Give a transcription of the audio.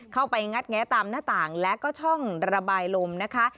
งัดแงะตามหน้าต่างและก็ช่องระบายลมนะคะ